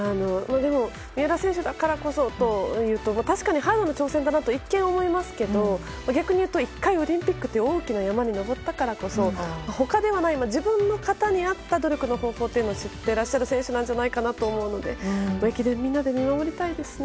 でも三浦選手だからこそというと確かに大変な挑戦かなと思いますけど逆に言うと１回オリンピックという大きな山に登ったからこそ他ではない自分の型に合った努力の方法というのを知っていらっしゃる選手じゃないかと思うので駅伝、みんなで見守りたいですね。